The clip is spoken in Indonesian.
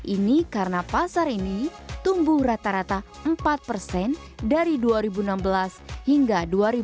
ini karena pasar ini tumbuh rata rata empat persen dari dua ribu enam belas hingga dua ribu dua puluh